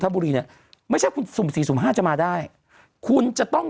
บุรีเนี่ยไม่ใช่คุณสุ่มสี่สุ่มห้าจะมาได้คุณจะต้อง